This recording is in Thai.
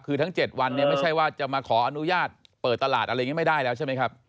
คือทั้ง๗วันเนี่ยไม่ใช่ว่าจะมาขออนุญาตเปิดตลาดอะไรอย่างนี้ไม่ได้แล้วใช่ไหมครับ